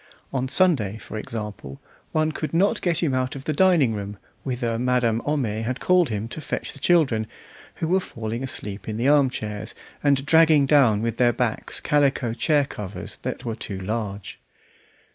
On Sunday, for example, one could not get him out of the drawing room, whither Madame Homais had called him to fetch the children, who were falling asleep in the arm chairs, and dragging down with their backs calico chair covers that were too large.